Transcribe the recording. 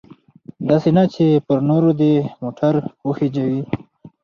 داسې نه چې پر نورو دې موټر وخیژوي.